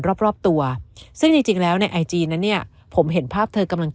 รอบตัวซึ่งจริงแล้วในไอจีนั้นเนี่ยผมเห็นภาพเธอกำลัง